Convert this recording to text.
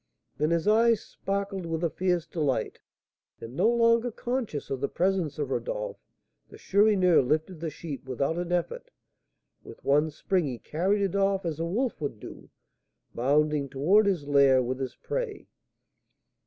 Then his eyes sparkled with a fierce delight, and, no longer conscious of the presence of Rodolph, the Chourineur lifted the sheep without an effort; with one spring he carried it off as a wolf would do, bounding towards his lair with his prey.